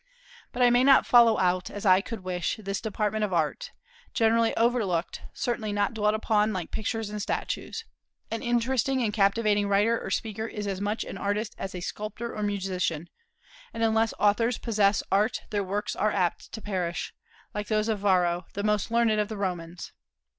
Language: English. But I may not follow out, as I could wish, this department of Art, generally overlooked, certainly not dwelt upon like pictures and statues. An interesting and captivating writer or speaker is as much an artist as a sculptor or musician; and unless authors possess art their works are apt to perish, like those of Varro, the most learned of the Romans.